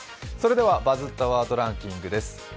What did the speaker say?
それでは「バズったワードランキング」です。